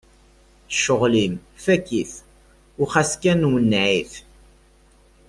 Cɣel-im fak-it u xas kan wenneɛ-it!